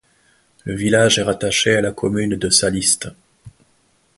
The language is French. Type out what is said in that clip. Le village est rattaché à la commune de Săliște.